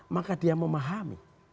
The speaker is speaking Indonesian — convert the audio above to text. maka dia memahami